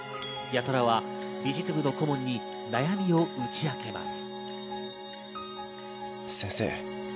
八虎は美術部の顧問に悩みを打ち明けます。